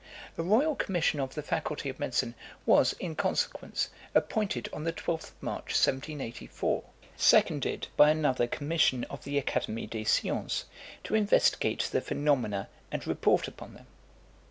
A royal commission of the Faculty of Medicine was, in consequence, appointed on the 12th of March 1784, seconded by another commission of the Académie des Sciences, to investigate the phenomena and report upon them.